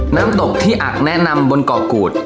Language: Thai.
น้ำตกที่อาจแนะนำบนเกาะกูด